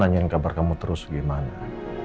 nanyain kabar kamu terus gimana